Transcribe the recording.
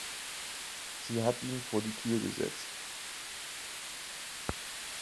Sie hat ihn vor die Tür gesetzt.